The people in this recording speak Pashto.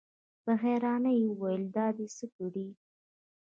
په حيرانۍ يې وويل: دا دې څه کړي؟